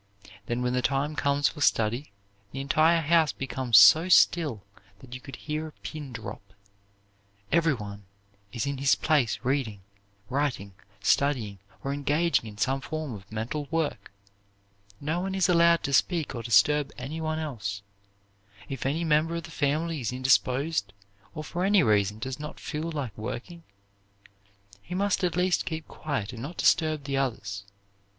Then when the time comes for study, the entire house becomes so still that you could hear a pin drop. Everyone is in his place reading, writing, studying, or engaged in some form of mental work. No one is allowed to speak or disturb anyone else. If any member of the family is indisposed, or for any reason does not feel like working, he must at least keep quiet and not disturb the others.